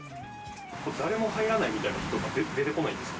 誰も入らないみたいな日とか出てこないんですか？